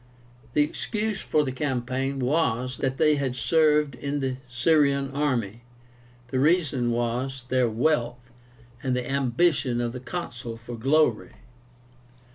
The excuse for the campaign was, that they had served in the Syrian army; the reason was, their wealth, and the ambition of the Consul for glory.